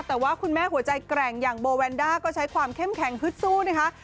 แต่ว่าคุณแม่หัวใจแกร่งอย่างโบแวนด้าก็ใช้ความเข้มแข็งฮึดสู้นะคะ